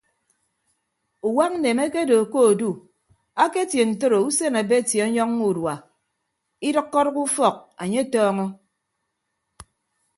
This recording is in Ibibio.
Uwak nneme akedo ke odu aketie ntoro usen abeti ọnyọññọ urua idʌkkọdʌk ufọk anye atọọñọ.